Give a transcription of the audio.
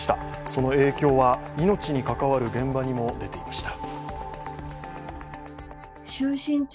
その影響は命に関わる現場にも出ていました。